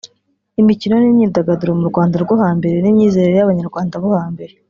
imikino n’imyidagaduro mu Rwanda rwo hambere n’imyizerere y’abanyarwanda bo hambere